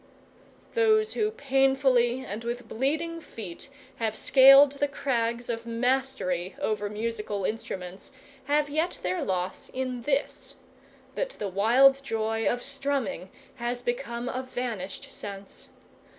Those who painfully and with bleeding feet have scaled the crags of mastery over musical instruments have yet their loss in this, that the wild joy of strumming has become a vanished sense.